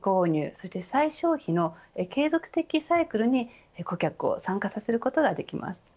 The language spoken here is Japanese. そして再消費の継続的サイクルに顧客を参加させることができます。